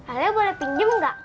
alia boleh pinjem nggak